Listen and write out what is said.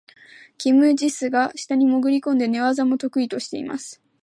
キム・ジスが下に潜り込んで、寝技も得意としています。